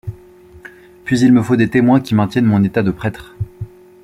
Puis il me faut des témoins qui maintiennent mon état de prêtre!